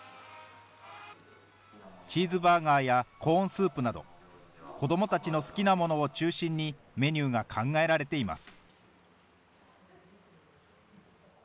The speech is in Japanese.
チーズバーガーやコーンスープなど、子どもたちの好きなものを中心にメニューが考えられています。